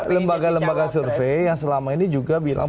lembaga lembaga survei yang selama ini juga bilang